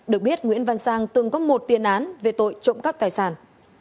được biết nguyễn văn sang từng có một tiền án về tội trộm cắp tài sản